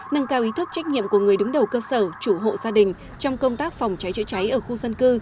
nâng cao ý thức trách nhiệm của người đứng đầu cơ sở chủ hộ gia đình trong công tác phòng cháy chữa cháy ở khu dân cư